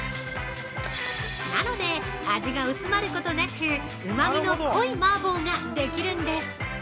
◆なので味が薄まることなくうまみの濃い麻婆ができるんです。